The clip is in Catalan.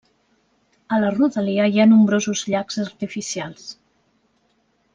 A la rodalia hi ha nombrosos llacs artificials.